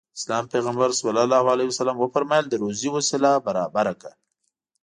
د اسلام پيغمبر ص وفرمايل د روزي وسيله برابره کړه.